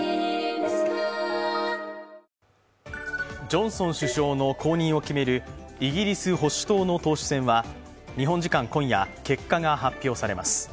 ジョンソン首相の後任を決めるイギリス保守党の党首選は日本時間今夜、結果が発表されます。